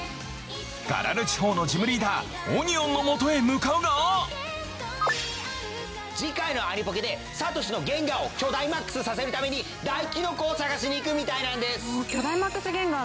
ガラル地方のジムリーダーオニオンのもとへ向かうが次回のアニポケでサトシのゲンガーをキョダイマックスさせるためにダイキノコを探しに行くみたいなんです。